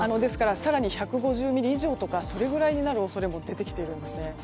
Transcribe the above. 更に１５０ミリ以上とかそれぐらいになるところが出てきているんですね。